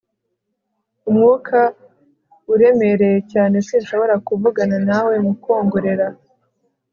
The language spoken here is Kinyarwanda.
Umwuka uremereye cyane sinshobora kuvugana nawe mukongorera